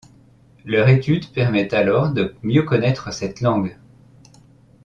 Leur étude permet alors de mieux connaitre cette langue.